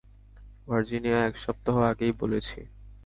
Virginia, এক সপ্তাহ আগেই বলেছি।